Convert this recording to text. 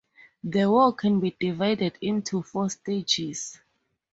The war can be divided into four stages.